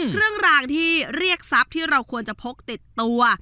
เครื่องรางที่เรียกทรัพย์ที่เราควรจะพกติดตัว